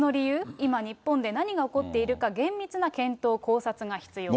今日本で何が起こっているか、厳密な検討、考察が必要と。